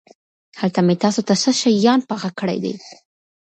هلته مې تاسو ته څه شيان پاخه کړي دي.